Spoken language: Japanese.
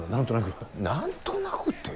何となくって。